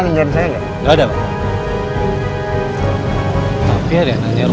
gak kasih tau saya